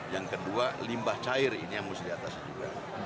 yang kedua limbah cair ini yang harus diatasi juga